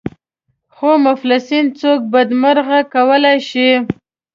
خو مفلسي څوک بدمرغه کولای شي.